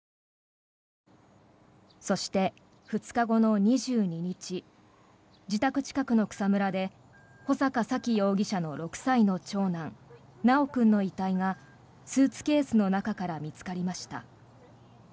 そして、２日後の２２日自宅近くの草むらで穂坂沙喜容疑者の６歳の長男修君の遺体がスーツケースの中から見つかりました。